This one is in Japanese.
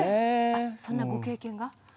そんなご経験が？